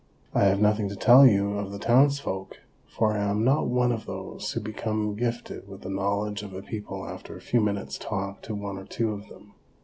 I have nothing to tell you of the townsfolk, for I am not one of those who become gifted with the knowledge of a people after a few minutes' talk to one or two of them.